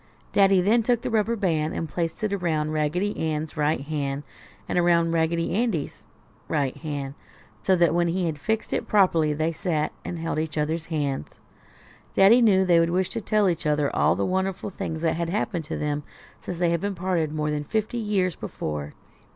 Daddy then took the rubber band and placed it around Raggedy Ann's right hand, and around Raggedy Andy's right hand, so that when he had it fixed properly they sat and held each other's hands. Daddy knew they would wish to tell each other all the wonderful things that had happened to them since they had parted more than fifty years before.